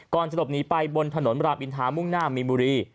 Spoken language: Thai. จะหลบหนีไปบนถนนรามอินทามุ่งหน้ามีนบุรี